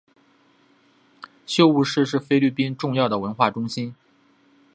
宿雾市是菲律宾重要的文化中心。